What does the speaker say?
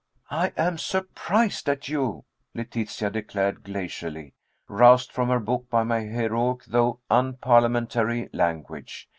"I am surprised at you," Letitia declared glacially, roused from her book by my heroic though unparliamentary language.